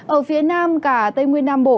ở phía nam cả tây nguyên nam bộ